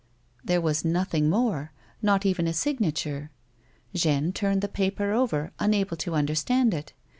There was nothing more, not even a signature. Jeanne turned the paper over, unable to understand it.